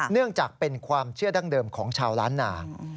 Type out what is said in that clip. เนื่องจากเป็นความเชื่อดั้งเดิมของชาวล้านนา